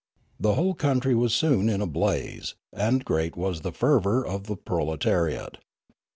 The whole country was soon in a blaze, and great was the fervour of the proletariat.